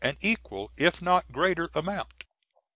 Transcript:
an equal if not greater Amount.